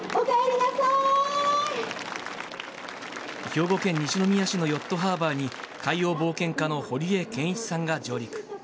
兵庫県西宮市のヨットハーバーに海洋冒険家の堀江謙一さんが上陸。